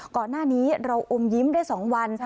ก่อนหน้านี้เราอมยิ้มได้๒วัน